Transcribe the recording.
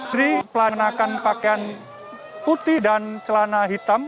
tri pelanakan pakaian putih dan celana hitam